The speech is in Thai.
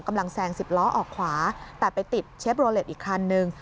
กำลังแซงสิบล้อออกขวาแต่ไปติดเชฟโรเล็ตอีกคันนึง